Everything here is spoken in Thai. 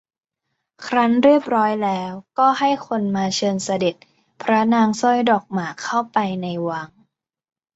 ครั้นเรียบร้อยแล้วก็ให้คนมาเชิญเสด็จพระนางสร้อยดอกหมากเข้าไปในวัง